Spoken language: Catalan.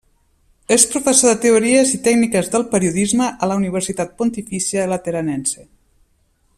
És professor de Teories i Tècniques del Periodisme a la Universitat Pontifícia Lateranense.